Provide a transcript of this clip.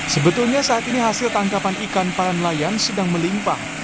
sebetulnya saat ini hasil tangkapan ikan para nelayan sedang melimpah